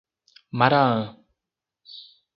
Maraã